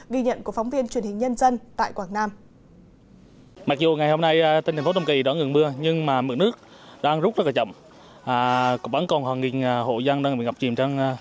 ghi nhận của phóng viên truyền hình nhân dân tại quảng nam